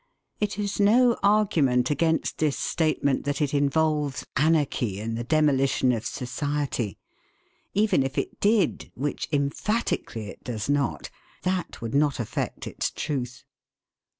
It is no argument against this statement that it involves anarchy and the demolition of society. Even if it did (which emphatically it does not), that would not affect its truth.